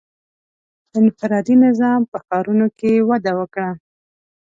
• انفرادي نظام په ښارونو کې وده وکړه.